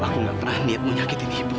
aku tidak pernah niat menyakiti ibu